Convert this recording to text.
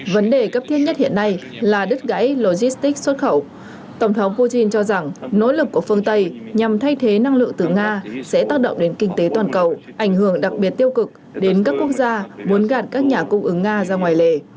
vấn đề cấp thiết nhất hiện nay là đứt gãy logistic xuất khẩu tổng thống putin cho rằng nỗ lực của phương tây nhằm thay thế năng lượng từ nga sẽ tác động đến kinh tế toàn cầu ảnh hưởng đặc biệt tiêu cực đến các quốc gia muốn gạt các nhà cung ứng nga ra ngoài lề